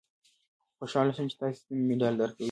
خوشاله شوم چې تاسې ته مډال درکوي.